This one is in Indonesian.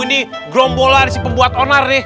ini grombola dari si pembuat onar nih